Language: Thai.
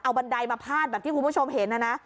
เอาบันไดมาพาดแบบที่คุณผู้ชมเห็นนะนะ